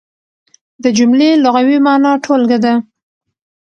د جملې لغوي مانا ټولګه ده.